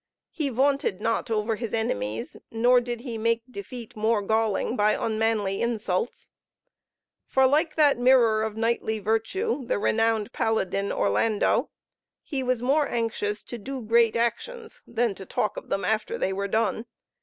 He vaunted not over his enemies, nor did he make defeat more galling by unmanly insults; for, like that mirror of knightly virtue, the renowned Paladin Orlando, he was more anxious to do great actions than to talk of them after they were done.